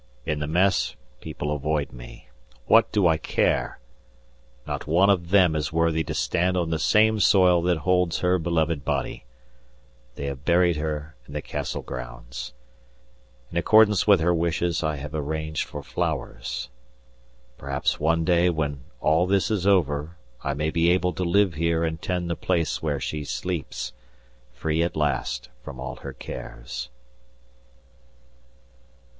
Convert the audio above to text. In the Mess, people avoid me. What do I care? Not one of them is worthy to stand on the same soil that holds her beloved body. They have buried her in the Castle grounds. In accordance with her wishes, I have arranged for flowers. Perhaps one day when all this is over I may be able to live here and tend the place where she sleeps, free at last from all her cares.